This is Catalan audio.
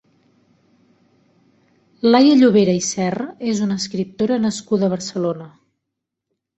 Laia Llobera i Serra és una escriptora nascuda a Barcelona.